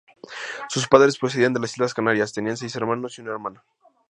Sus padres procedían de las Islas Canarias.Tenía seis hermanos y una hermana.